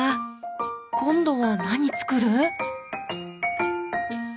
今度は何作る？